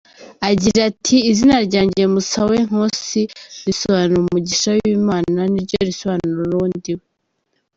Agira ati “Izina ryanjye ‘Musawenkosi’ risobanura “Umugisha w’Imana” niryo risobanura uwo ndi we.